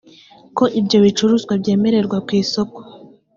ko ibyo bicuruzwa byemererwa ku isoko